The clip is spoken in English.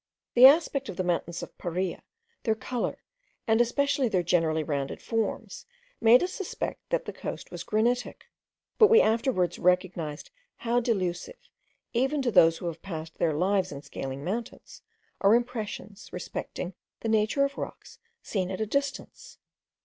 The aspect of the mountains of Paria, their colour, and especially their generally rounded forms, made us suspect that the coast was granitic; but we afterwards recognized how delusive, even to those who have passed their lives in scaling mountains, are impressions respecting the nature of rocks seen at a distance.